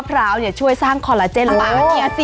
พ่อย่าติดสวนมะคร้ำเลย